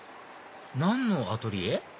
何のアトリエ？